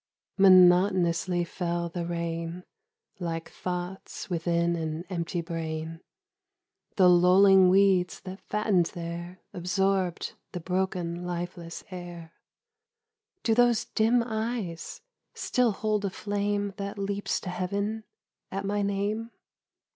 MONOTONOUSLY fell the rain Like thoughts within an empty brain ; The lolling weeds that fattened there Absorbed the broken lifeless air. ' Do those dim eyes still hold a flame That leaps to heaven at my name